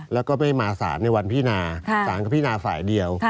แล้วก็ไม่มาสารในวันพินาศาลก็พินาฝ่ายเดียว